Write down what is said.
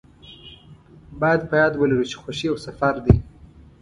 باید په یاد ولرو چې خوښي یو سفر دی.